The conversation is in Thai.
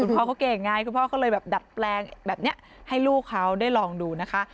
พ่อเขาเก่งไงคุณพ่อก็เลยแบบดัดแปลงแบบนี้ให้ลูกเขาได้ลองดูนะคะ